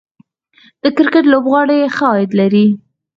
د کرکټ لوبغاړي ښه عاید لري